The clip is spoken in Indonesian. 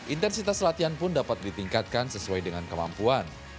intensitas latihan pun dapat ditingkatkan sesuai dengan kemampuan